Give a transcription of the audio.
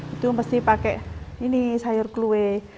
itu mesti pakai ini sayur kue